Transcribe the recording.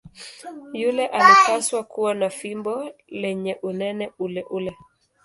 Yule alipaswa kuwa na fimbo lenye unene uleule.